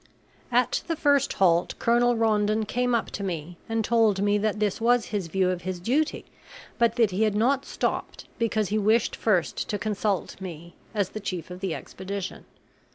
At the first halt Colonel Rondon came up to me and told me that this was his view of his duty, but that he had not stopped because he wished first to consult me as the chief of the expedition.